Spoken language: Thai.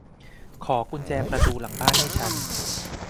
ขอกุญแจประตูหลังบ้านให้ฉัน